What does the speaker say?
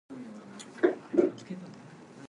Her brother is the international tenor Vernon Midgley.